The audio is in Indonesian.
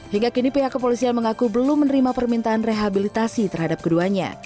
hingga kini pihak kepolisian mengaku belum menerima permintaan rehabilitasi terhadap keduanya